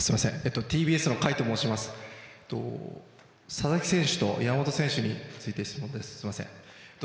佐々木選手と山本選手に質問です。